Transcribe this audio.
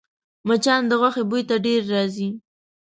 مچان د غوښې بوی ته ډېر راځي